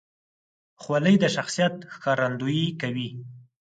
خولۍ د شخصیت ښکارندویي کوي.